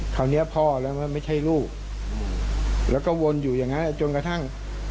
คราวเนี้ยพ่อแล้วไม่ใช่ลูกอืมแล้วก็วนอยู่อย่างเงี้ยจนกระทั่ง